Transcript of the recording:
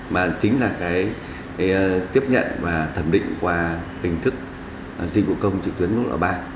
mà chính là cái tiếp nhận và thẩm định qua hình thức di vụ công trị tuyến nút lọ ba